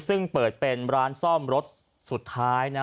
ซึ่งเปิดเป็นร้านซ่อมรถสุดท้ายนะ